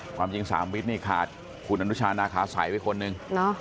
ความจริงสามวิทย์นี่ขาดคุณอนุชาณาขาสายไว้คนหนึ่งเนอะ